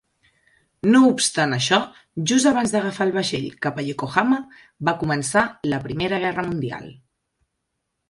No obstant això, just abans d'agafar el vaixell cap a Yokohama, va començar la Primera Guerra Mundial.